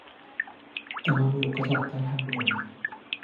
แต่บางอู่ก็จอดใต้ทางด่วนนะ